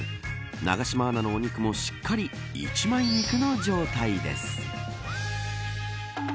永島アナのお肉もしっかり一枚肉の状態です。